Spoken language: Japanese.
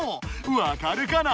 わかるかな？